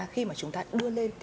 khi mà chúng ta đưa lên